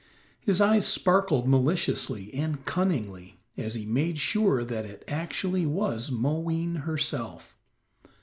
His eyes sparkled maliciously and cunningly as he made sure that it actually was Moween herself.